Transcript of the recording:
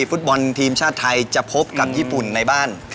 ฟุตบอลทีมชาติไทยจะพบกับญี่ปุ่นในบ้าน